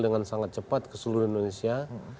dengan sangat cepat ke seluruh indonesia